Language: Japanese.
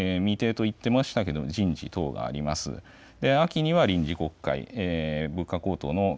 あと、未定といってましたけども人事等があります。